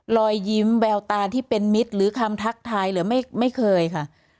รอยยิ้มแววตาที่เป็นมิตรหรือคำทักทายหรือไม่เคยค่ะ